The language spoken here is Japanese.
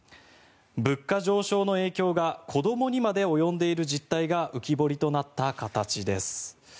物価上昇の影響が子どもにまで及んでいる実態が浮き彫りとなった形です。